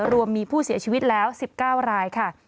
รวมมีผู้เสียชีวิตแล้ว๑๙รายค่ะ